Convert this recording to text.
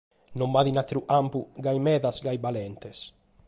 Non b’at in àteru campu gasi medas, gasi balentes.